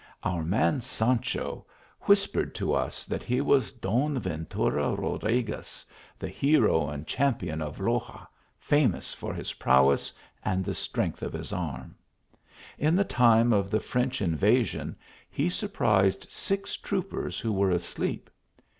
Our man, Sancho, whispered to us that he was Don Ventura Rodriguez, the hero and champion of Loxa, famous for his prowess and the strength of his arm. In the time of the French invasion, he sur prised six troopers who were asleep.